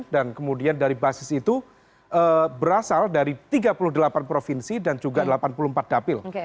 dan kemudian dari basis itu berasal dari tiga puluh delapan provinsi dan juga delapan puluh empat dapil